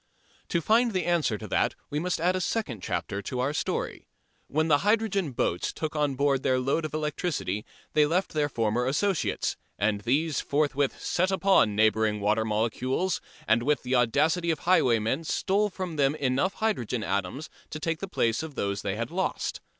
To find the answer to that we must add a second chapter to our story. When the hydrogen "boats" took on board their load of electricity they left their former associates, and these forthwith "set upon" neighbouring water molecules and with the audacity of highwaymen stole from them enough hydrogen atoms to take the place of those they had lost.